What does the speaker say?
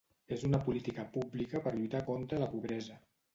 És una política pública per lluitar contra la pobresa.